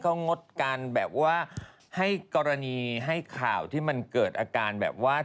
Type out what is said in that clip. เขางดการแบบว่าให้กรณีให้ข่าวที่มันเกิดอาการแบบว่า